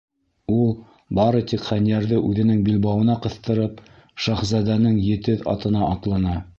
Ул, бары тик хәнйәрҙе үҙенең билбауына ҡыҫтырып, шаһзадәнең етеҙ атына атлана.